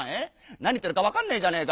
何言ってるかわかんねえじゃねえか。